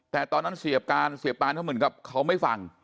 แต่ตอนนั้นเสียการเสียปานเขาเหมือนกับเขาไม่ฟัง